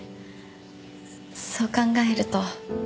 そう考えると。